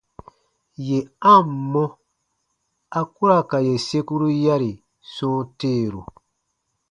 Yè a ǹ mɔ, a ku ra ka yè sekuru yari sɔ̃ɔ teeru.